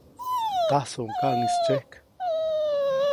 Tajsuʼuŋ kaŋʼis tsyejk.